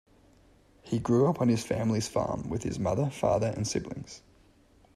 He grew up on his family's farm with his mother, father, and siblings.